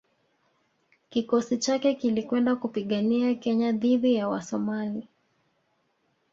Kikosi chake kilikwenda kupigania Kenya dhidi ya Wasomali